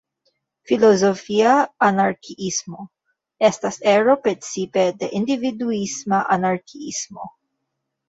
Filozofia anarkiismo "estas ero precipe de individuisma anarkiismo.